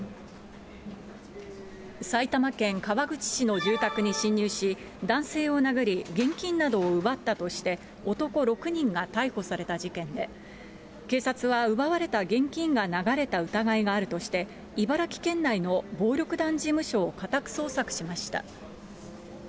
埼玉県川口市の住宅に侵入し、男性を殴り、現金などを奪ったとして、男６人が逮捕された事件で、警察は奪われた現金が流れた疑いがあるとして、茨城県内の暴力団事務所を家宅捜索しました。